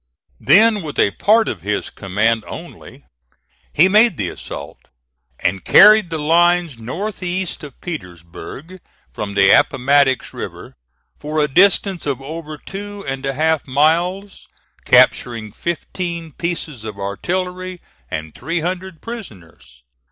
Then, with a part of his command only, he made the assault, and carried the lines north east of Petersburg from the Appomattox River, for a distance of over two and a half miles, capturing fifteen pieces of artillery and three hundred prisoners.